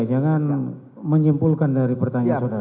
jangan menyimpulkan dari pertanyaan saudara